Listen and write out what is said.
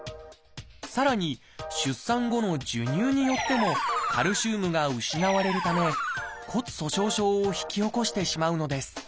さらに出産後の授乳によってもカルシウムが失われるため骨粗しょう症を引き起こしてしまうのです。